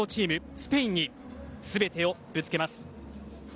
スペインに全てをぶつけます。